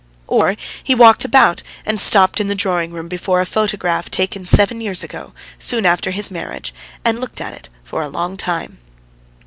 Or he walked about and stopped in the drawing room before a photograph taken seven years ago, soon after his marriage, and looked at it for a long time.